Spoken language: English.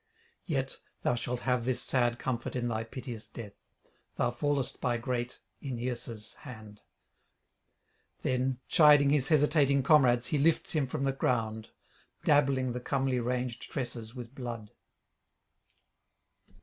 Yet thou shalt have this sad comfort in thy piteous death, thou fallest by great Aeneas' hand.' Then, chiding his hesitating comrades, he lifts him from the ground, dabbling the comely ranged tresses with blood.